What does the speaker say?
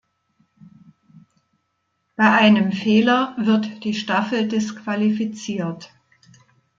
Bei einem Fehler wird die Staffel disqualifiziert.